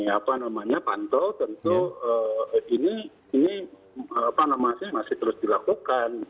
apa namanya pantau tentu ini masih terus dilakukan